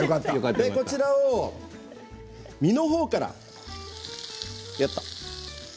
こちらを身のほうから。